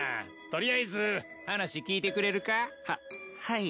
取りあえず話聞いてくれるか？ははい。